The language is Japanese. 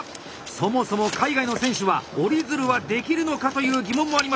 そもそも海外の選手は折り鶴はできるのかという疑問もありますが